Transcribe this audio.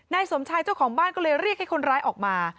สมชายเจ้าของบ้านก็เลยเรียกให้คนร้ายออกมา